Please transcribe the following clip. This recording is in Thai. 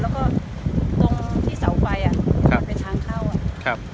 แล้วก็ตรงที่เสาไฟอ่ะมันเป็นทางเข้าอ่ะครับ